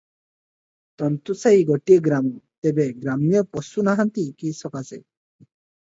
ତନ୍ତୀସାଇ ଗୋଟିଏ ଗ୍ରାମ, ତେବେ ଗ୍ରାମ୍ୟ ପଶୁ ନାହାଁନ୍ତି କି ସକାଶେ?